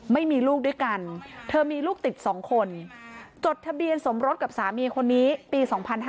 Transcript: ไม่มีลูกด้วยกันเธอมีลูกติด๒คนจดทะเบียนสมรสกับสามีคนนี้ปี๒๕๕๙